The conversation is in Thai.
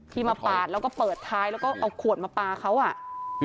ที่มาปาดแล้วก็เปิดท้ายแล้วก็เอาขวดมาปลาเขาอ่ะ